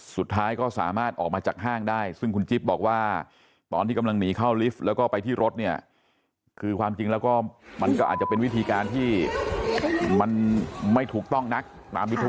สุดท้ายก็สามารถออกมาจากห้างได้ซึ่งคุณจิ๊บบอกว่าตอนที่กำลังหนีเข้าลิฟต์แล้วก็ไปที่รถเนี่ยคือความจริงแล้วก็มันก็อาจจะเป็นวิธีการที่มันไม่ถูกต้องนักตามยุทธ